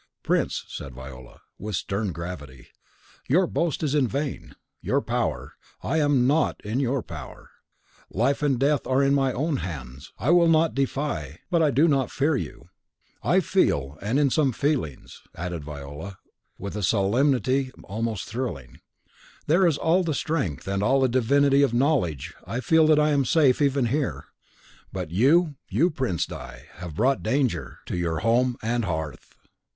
"Prince," said Viola, with a stern gravity, "your boast is in vain. Your power! I am NOT in your power. Life and death are in my own hands. I will not defy; but I do not fear you. I feel and in some feelings," added Viola, with a solemnity almost thrilling, "there is all the strength, and all the divinity of knowledge I feel that I am safe even here; but you you, Prince di , have brought danger to your home and hearth!"